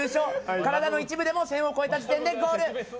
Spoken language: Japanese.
体の一部でも線を超えた時点でゴール。